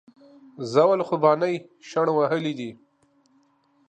زول خوبانۍ شڼ وهلي دي